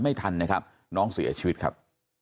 ไม่ทันนะครับน้องเสียชีวิตครับ